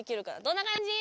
「どんな感じ？」